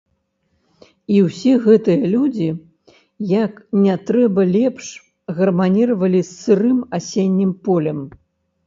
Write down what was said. І ўсе гэтыя людзі як не трэба лепш гарманіравалі з сырым асеннім полем.